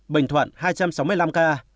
bình thuận hai trăm sáu mươi năm ca